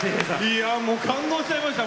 いやもう感動しちゃいました。